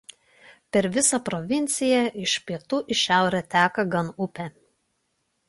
Per visą provinciją iš pietų į šiaurę teka Gan upė.